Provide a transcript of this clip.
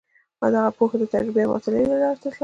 دغه پوهه د تجربې او مطالعې له لارې ترلاسه کیږي.